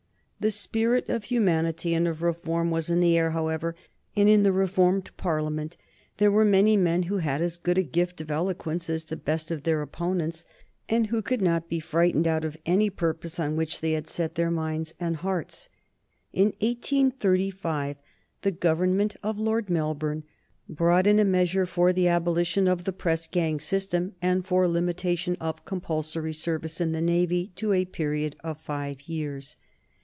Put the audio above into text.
The spirit of humanity and of reform was in the air, however, and in the reformed Parliament there were many men who had as good a gift of eloquence as the best of their opponents, and who could not be frightened out of any purpose on which they had set their minds and hearts. In 1835 the Government of Lord Melbourne brought in a measure for the abolition of the press gang system and for limitation of compulsory service in the Navy to a period of five years.